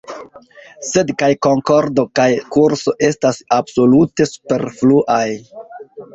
Sed kaj Konkordo kaj Kursko estas absolute superfluaj.